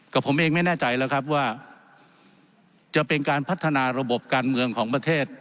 ผมเองไม่แน่ใจแล้วครับว่าจะเป็นการพัฒนาระบบการเมืองของประเทศ